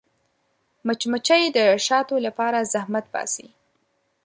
مچمچۍ د شاتو لپاره زحمت باسي